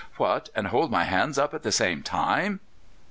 "What! and hold my hands up at the same time?"